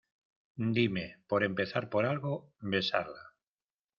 dime. por empezar por algo, besarla .